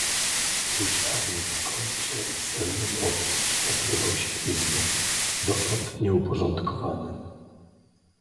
"Usiadł w kącie i sennem okiem przypatrywał się izbom, dotąd nieuporządkowanym."